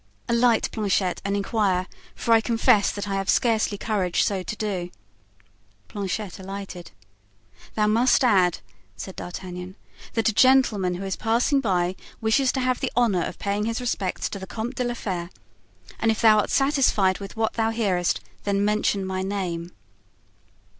Alight, Planchet, and inquire, for I confess that I have scarcely courage so to do." Planchet alighted. "Thou must add," said D'Artagnan, "that a gentleman who is passing by wishes to have the honor of paying his respects to the Comte de la Fere, and if thou art satisfied with what thou hearest, then mention my name!"